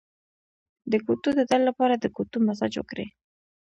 د ګوتو د درد لپاره د ګوتو مساج وکړئ